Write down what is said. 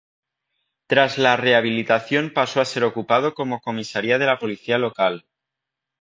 Tras la rehabilitación pasó a ser ocupado como comisaría de la policía local.